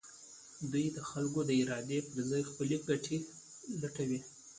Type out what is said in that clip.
دوی د خلکو د ارادې پر ځای خپلې ګټې لټوي.